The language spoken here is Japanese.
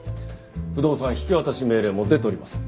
不動産引渡命令も出ております。